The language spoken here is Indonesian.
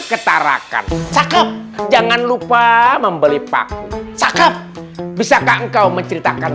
ketarakan cakep jangan lupa membeli pakai cakep bisa kak engkau menceritakan